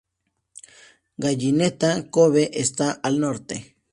Gallineta Cove está al norte.